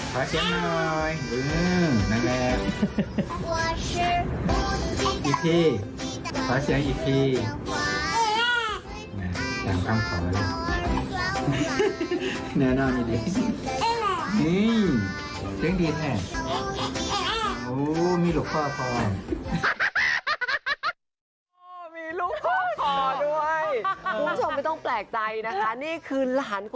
ขอเสียงหน่อย